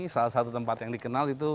salah satu tempat yang dikenal itu